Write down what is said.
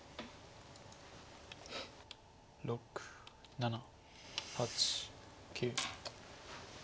６７８９。